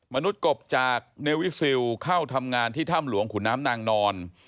มนุษย์กบจากเนวิซิลเข้าทำงานที่ถ้ำหลวงขุนน้ำนางนอน